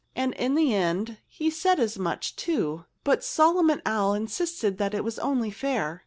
And in the end he said as much, too. But Solomon Owl insisted that it was only fair.